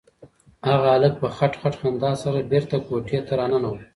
هلک په خټ خټ خندا سره بېرته کوټې ته راننوت.